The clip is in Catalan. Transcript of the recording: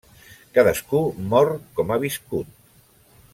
Cadascú mor com ha viscut.